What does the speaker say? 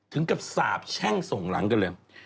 ถึงกับสาบแช่งส่งหลังกันเลย